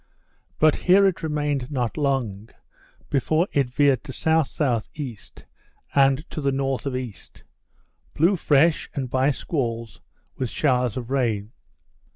But here it remained not long, before it veered to S.E.E. and to the north of east; blew fresh, and by squalls, with showers of rain.